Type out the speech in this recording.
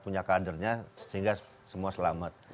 punya kadernya sehingga semua selamat